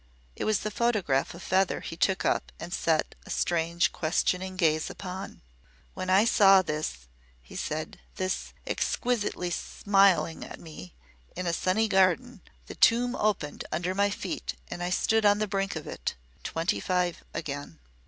It was the photograph of Feather he took up and set a strange questioning gaze upon. "When I saw this," he said, "this exquisitely smiling at me in a sunny garden the tomb opened under my feet and I stood on the brink of it twenty five again."